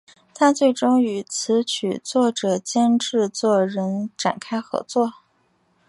她最终与词曲作者兼制作人展开合作。